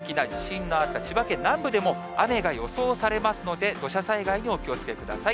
さて、今夜遅くにかけて、けさ、大きな地震があった千葉県南部でも雨が予想されますので、土砂災害にはお気をつけください。